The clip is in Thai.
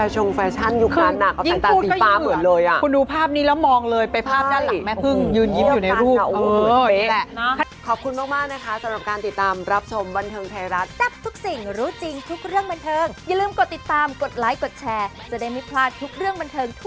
สุขภาพร่างกายแข็งแรง